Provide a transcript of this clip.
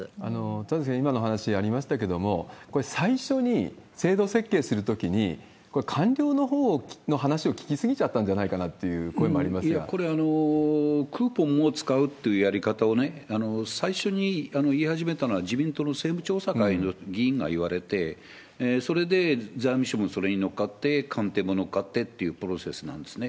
田崎さん、今の話ありましたけれども、これ、最初に制度設計するときに、これ、官僚のほうの話を聞き過ぎちゃったんじゃないかという声もありまいや、これ、クーポンを使うというやり方を最初に言い始めたのは自民党の政務調査会の議員が言われて、それで財務省もそれに乗っかって、官邸も乗っかってっていうプロセスなんですね。